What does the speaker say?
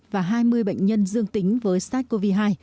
và hai mươi bệnh nhân dương tính với sars cov hai